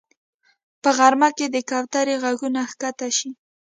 په غرمه کې د کوترې غږونه ښکته شي